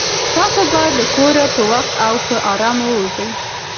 تاسو باید له کوره په وخت او په ارامه ووځئ.